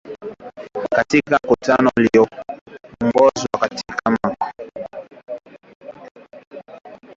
katika mkutano ulioongozwa na kiongozi wa kijeshi